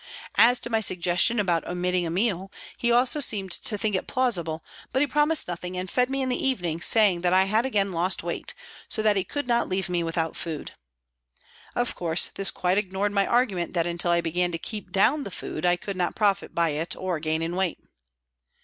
As to my suggestion about omitting a meal, he also seemed to think it plausible, but he promised nothing, and fed me in the evening, saying that I had again lost weight, so that he could not leave me without food. Of course, this quite ignored my argument that until I began to keep down the food I could not profit by it or gain in weight.